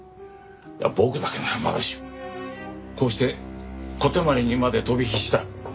僕だけならまだしもこうして小手鞠にまで飛び火した。